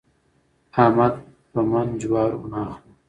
احمد په من جوارو نه اخلم.